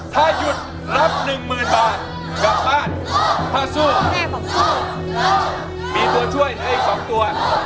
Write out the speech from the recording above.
ถ้ายุดรับหนึ่งหมื่นบาทออกกลับบ้านถ้าสู้มีตัวช่วยในอีกสองตัว